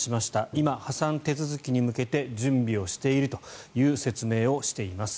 今、破産手続きに向けて準備をしているという説明をしています。